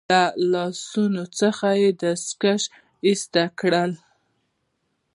له لاسونو څخه يې دستکشې ایسته کړې.